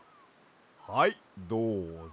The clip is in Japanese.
はいどうぞ！